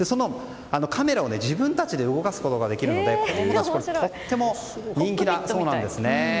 カメラを自分たちで動かすことができるので、子供たちにとっても人気なんだそうですね。